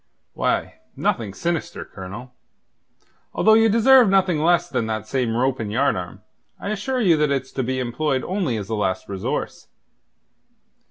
"Why, nothing sinister, Colonel. Although ye deserve nothing less than that same rope and yardarm, I assure you that it's to be employed only as a last resource.